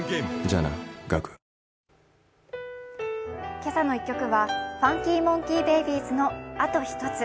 「けさの１曲」はＦＵＮＫＹＭＯＮＫＥＹＢΛＢＹ’Ｓの「あとひとつ」。